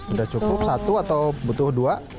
udah cukup satu atau butuh dua